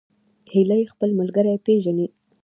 هیلۍ خپل ملګري پیژني